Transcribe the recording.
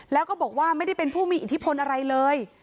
แล้วก็บอกว่าไม่ได้เป็นผู้มีอิทธิพลอะไรเลย